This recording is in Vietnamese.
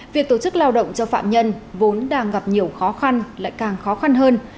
việc tổ chức lao động cho phạm nhân vốn đang gặp nhiều khó khăn lại càng khó khăn hơn